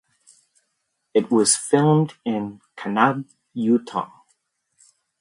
It was filmed in Kanab, Utah.